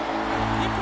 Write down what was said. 日本！